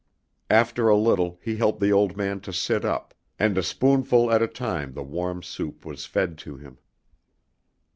After a little he helped the old man to sit up, and a spoonful at a time the warm soup was fed to him.